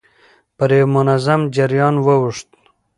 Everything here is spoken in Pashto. پر يوه منظم جريان واوښت.